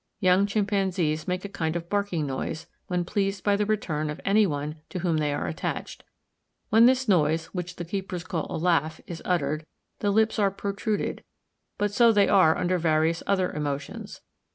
Young chimpanzees make a kind of barking noise, when pleased by the return of any one to whom they are attached. When this noise, which the keepers call a laugh, is uttered, the lips are protruded; but so they are under various other emotions.